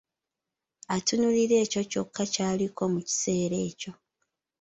Atunuulira ekyo kyokka ky'aliko mu kiseera ekyo.